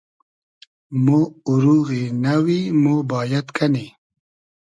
مۉ اوروغی نئوی مۉ بایئد کئنی